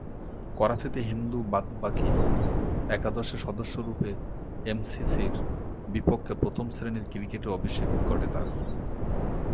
করাচিতে হিন্দু বাদ-বাকী একাদশে সদস্যরূপে এমসিসির বিপক্ষে প্রথম-শ্রেণীর ক্রিকেটে অভিষেক ঘটে তার।